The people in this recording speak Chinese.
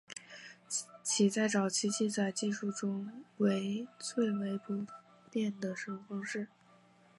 其在早期记载技术中为最为普遍的使用方式。